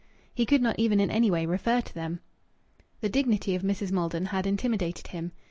He could not even in any way refer to them. The dignity of Mrs. Maldon had intimidated him.